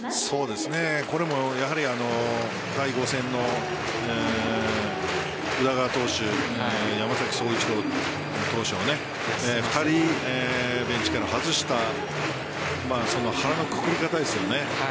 これもやはり第５戦の宇田川投手、山崎颯一郎投手を２人、ベンチから外した腹のくくり方ですよね。